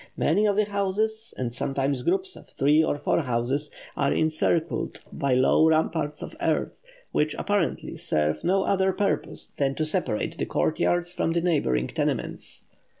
Many of the houses, and sometimes groups of three or four houses, are encircled by low ramparts of earth, which, apparently, serve no other purpose than to separate the courtyards from the neighbouring tenements.